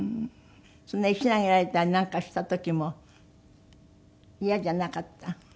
そんな石投げられたりなんかした時もイヤじゃなかった？